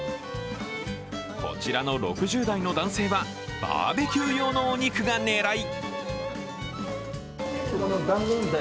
こちらの６０代の男性はバーベキュー用のお肉が狙い。